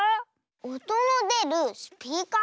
おとのでるスピーカー？